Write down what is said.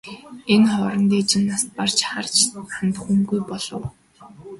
Энэ хооронд ээж нь нас барж харж хандах хүнгүй болов.